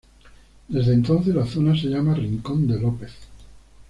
Desde entonces, la zona se llama "Rincón de López".